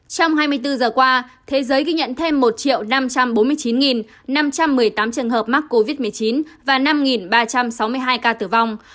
trong hai mươi bốn giờ qua thế giới ghi nhận thêm một năm trăm bốn mươi chín năm trăm một mươi tám trường hợp mắc covid một mươi chín và năm ba trăm sáu mươi hai ca tử vong